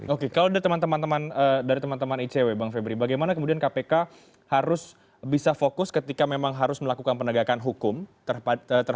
oke kalau dari teman teman icw bang febri bagaimana kemudian kpk harus bisa fokus ketika memang harus melakukan penegakan hukum terhadap beberapa calon kepala daerah